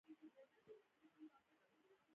ما ورته خبرې کړې وې خو هغه پوښتنه ونه کړه.